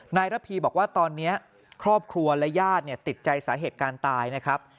ระพีบอกว่าตอนนี้ครอบครัวและญาติติดใจสาเหตุการณ์ตายนะครับ